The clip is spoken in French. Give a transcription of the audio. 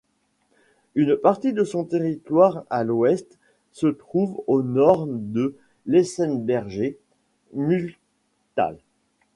Une partie de son territoire à l'ouest se trouve au nord de l'Eisenberger Mühltal.